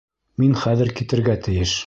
Мин хәҙер китергә тейеш!